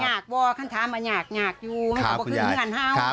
งากว่าขั้นทำมางากงากอยู่ครับคุณยายไม่กลัวขึ้นเหมือนเห่าครับ